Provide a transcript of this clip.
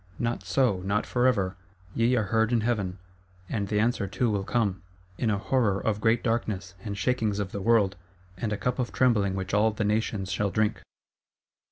—Not so: not forever! Ye are heard in Heaven. And the answer too will come,—in a horror of great darkness, and shakings of the world, and a cup of trembling which all the nations shall drink.